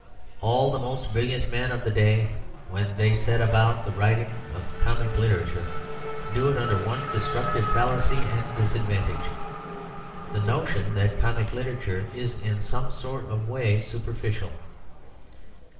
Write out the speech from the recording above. All the most brilliant men of the day when they set about the writing of comic literature do it under one destructive fallacy and disadvantage: the notion that comic literature is in some sort of way superficial.